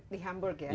di hamburg ya